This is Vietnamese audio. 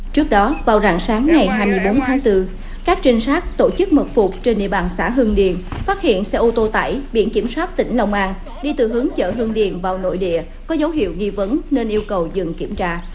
trước đó vào rạng sáng ngày hai mươi bốn tháng bốn các trinh sát tổ chức mật phục trên địa bàn xã hương điền phát hiện xe ô tô tải biển kiểm soát tỉnh lòng an đi từ hướng chợ hương điền vào nội địa có dấu hiệu nghi vấn nên yêu cầu dừng kiểm tra